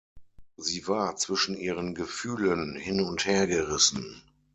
Sie war zwischen ihren Gefühlen hin- und hergerissen.